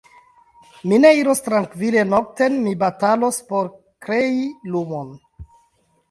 Mi ne iros trankvile nokten, mi batalos por krei lumon.